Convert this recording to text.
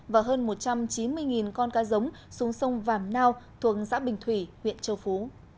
và hơn một trăm chín mươi con cá giống xuống sông vàm nao thuộc xã bình thủy huyện châu phú